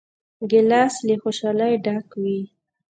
ګیلاس له خوشحالۍ ډک وي.